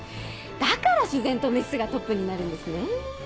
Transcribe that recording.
だから自然とメスがトップになるんですねぇ。